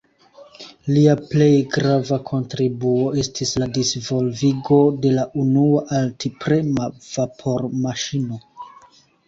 Lia plej grava kontribuo estis la disvolvigo de la unua alt-prema vapormaŝino.